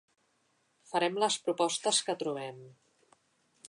Farem les propostes que trobem.